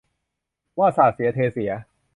ว่าสาดเสียเทเสีย